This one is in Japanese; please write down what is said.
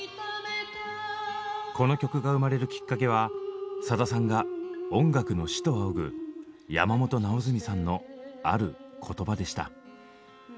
この曲が生まれるきっかけはさださんが「音楽の師」と仰ぐ山本直純さんのある言葉でした。